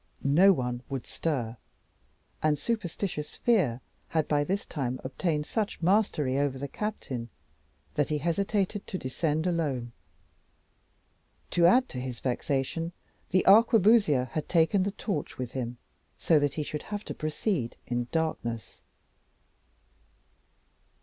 No one would stir; and superstitious fear had by this time obtained such mastery over the captain, that he hesitated to descend alone. To add to his vexation, the arquebusier had taken the torch with him, so that he should have to proceed in darkness.